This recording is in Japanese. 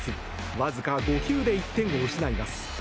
わずか５球で１点を失います。